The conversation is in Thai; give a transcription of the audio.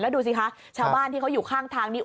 ดูสิคะชาวบ้านที่เขาอยู่ข้างทางนี้